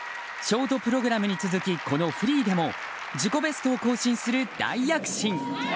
ショートプログラムに続きこのフリーでも自己ベストを更新する大躍進。